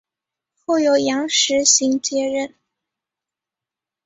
后由杨时行接任。